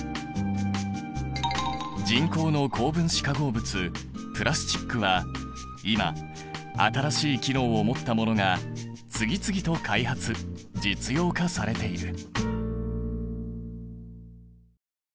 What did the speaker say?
人工の高分子化合物プラスチックは今新しい機能を持ったものが次々と開発・実用化されている。